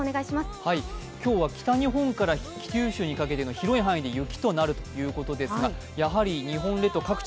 今日は北日本から九州にかけての広い範囲にかけて雪になるということですがやはり日本列島各地